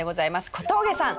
小峠さん